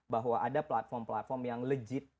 bahwa ada platform platform yang legit